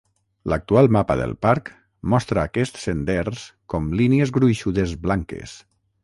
L'actual mapa del parc mostra aquests senders com línies gruixudes blanques.